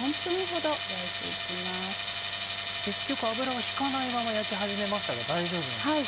結局油は引かないまま焼き始めましたが大丈夫なんですか？